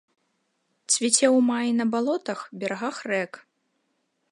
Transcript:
Цвіце ў маі на балотах, берагах рэк.